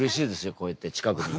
こうやって近くにいるの。